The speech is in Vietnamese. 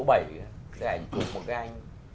cái ảnh chụp một cái anh